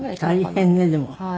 大変ねでも。